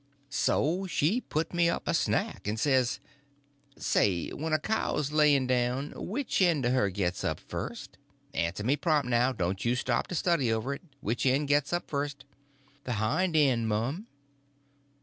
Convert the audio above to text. So she put me up a snack, and says: "Say, when a cow's laying down, which end of her gets up first? Answer up prompt now—don't stop to study over it. Which end gets up first?" "The hind end, mum."